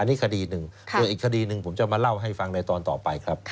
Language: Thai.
อันนี้คดีหนึ่งส่วนอีกคดีหนึ่งผมจะมาเล่าให้ฟังในตอนต่อไปครับ